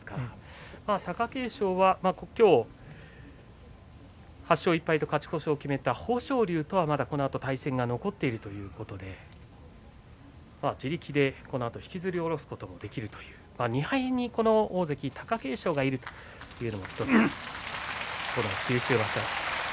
貴景勝は今日８勝１敗と勝ち越しを決めた豊昇龍とはまだこのあと対戦が残っているということで自力でこのあと引きずり下ろすこともできるという２敗に大関貴景勝がいるというのも１つ九州場所